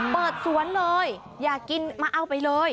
เปิดสวนเลยอยากกินมาเอาไปเลย